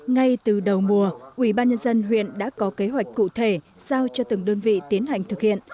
ngay từ đầu mùa ubnd huyện đã có kế hoạch cụ thể giao cho từng đơn vị tiến hành thực hiện